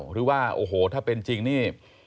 หรือว่าโอ้โหถ้าเป็นจริงนี่